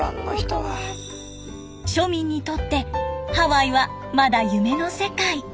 庶民にとってハワイはまだ夢の世界。